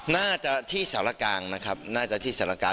น่าจะที่สารกลางนะครับน่าจะที่สารกลาง